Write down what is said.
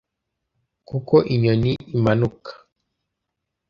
kuko inyoni imanuka,